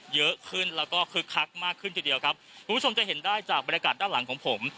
เยอะขึ้นแล้วก็คึกคักมากขึ้นทีเดียวครับคุณผู้ชมจะเห็นได้จากบรรยากาศด้านหลังของผม